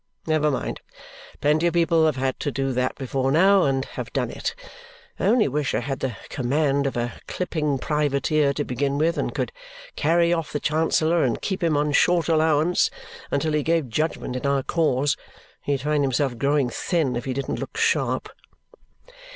Never mind! Plenty of people have had to do that before now, and have done it. I only wish I had the command of a clipping privateer to begin with and could carry off the Chancellor and keep him on short allowance until he gave judgment in our cause. He'd find himself growing thin, if he didn't look sharp!"